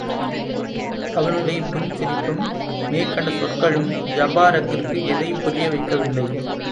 அவனுடைய புன்சிரிப்பும், மேற்கண்ட சொற்களும் ஜபாரக்கிற்கு எதையும் புரிய வைக்கவில்லை.